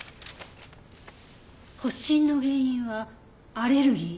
発疹の原因はアレルギー？